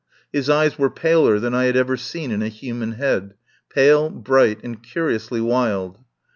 His eyes were paler than I had ever seen in a human head — pale, bright, and curiously wild.